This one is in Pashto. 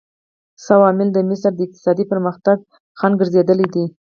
څه عوامل د مصر د اقتصادي پرمختګ خنډ ګرځېدلي دي؟